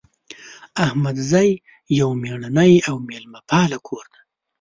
احمدزی یو میړنۍ او میلمه پاله کور ده